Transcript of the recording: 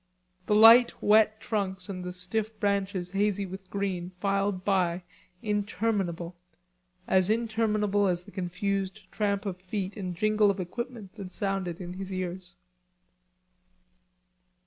The light wet trunks and the stiff branches hazy with green filed by, interminable, as interminable as the confused tramp of feet and jingle of equipment that sounded in his ears.